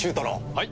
はい。